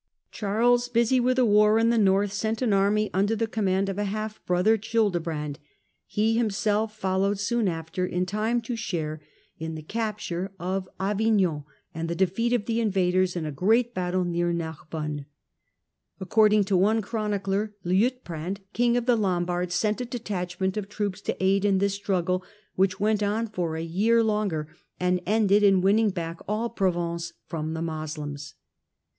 Charlea busy with a war in the North, sent an army under the command of a half brother, Childebrand. He himself followed soon after, in time to share in the capture of CHARLES MARTEL 111 Avignon and the defeat of the invaders in a great >attle near Narbonne. According to one chronicler, liiutprand, King of the Lombards, sent a detachment of roops to aid in this struggle, which went on for a ear longer and ended in winning back all Provence rom the Moslems.